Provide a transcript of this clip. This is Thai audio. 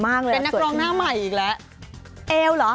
มันเป็นนักร้องหน้าใหม่อีกละ